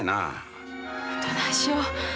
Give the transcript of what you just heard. どないしよう。